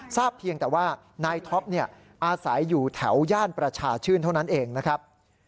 เพียงแต่ว่านายท็อปอาศัยอยู่แถวย่านประชาชื่นเท่านั้นเองนะครับ